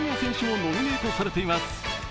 ノミネートされています。